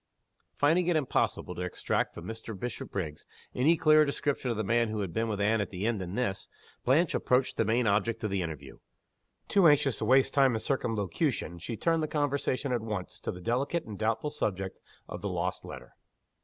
Finding it impossible to extract from Mr. Bishopriggs any clearer description of the man who had been with Anne at the inn than this, Blanche approached the main object of the interview. Too anxious to waste time in circumlocution, she turned the conversation at once to the delicate and doubtful subject of the lost letter.